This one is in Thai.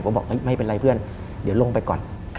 ผมบอกไม่เป็นไรเพื่อนเดี๋ยวลงไปก่อน